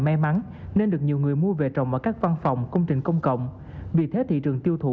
may mắn nên được nhiều người mua về trồng ở các văn phòng công trình công cộng vì thế thị trường tiêu thụ